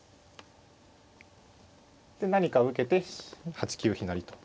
で何か受けて８九飛成と。